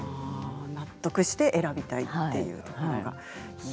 納得して選びたいというところが。